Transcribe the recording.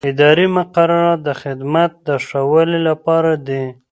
اداري مقررات د خدمت د ښه والي لپاره دي.